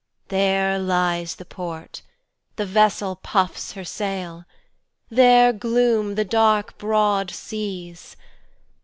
There lies the port; the vessel puffs her sail:There gloom the dark broad seas.